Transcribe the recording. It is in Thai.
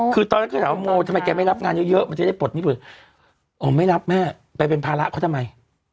แล้วก็ถามว่าโมทำไมแกไม่รับงานเยอะมันจะได้ปลดไม่รับแม่ไปเป็นภาระเขาทำไม